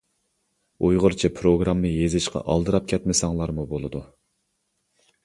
ئۇيغۇرچە پىروگرامما يېزىشقا ئالدىراپ كەتمىسەڭلارمۇ بولىدۇ.